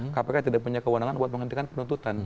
kpk tidak punya kewenangan untuk menghentikan penuntutan